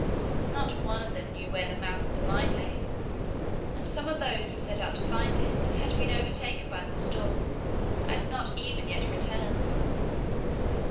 Not one of them knew where the mouth of the mine lay, and some of those who had set out to find it had been overtaken by the storm and had not even yet returned.